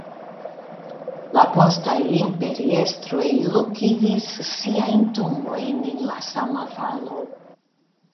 La postaj imperiestroj lokigis siajn tombojn en la sama valo.